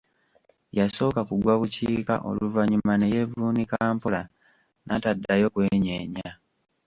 Yasooka kugwa bukiika oluvannyuma ne yeevuunika mpola, n'ataddayo kwenyeenya.